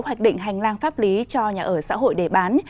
hoạch định hành lang pháp lý cho nhà ở xã hội để bán